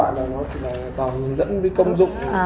cái này nó chỉ là loại là nó chỉ là tờ hướng dẫn với công dụng thôi